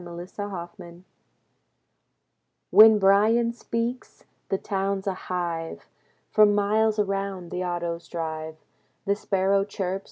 When Bryan Speaks When Bryan speaks, the town's a hive. From miles around, the autos drive. The sparrow chirps.